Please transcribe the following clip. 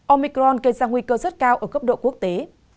omicron gây ra nguy cơ rất cao ở cấp độ quốc tế